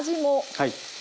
はい。